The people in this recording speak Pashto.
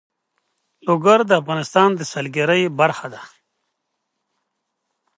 لوگر د افغانستان د سیلګرۍ برخه ده.